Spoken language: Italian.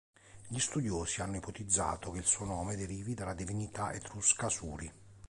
Gli studiosi hanno ipotizzato che il suo nome derivi dalla divinità etrusca Suri.